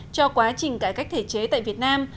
cho quá trình cải cách thể chế tại việt nam